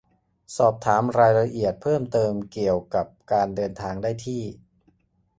สอบถามรายละเอียดเพิ่มเติมเกี่ยวกับการเดินทางได้ที่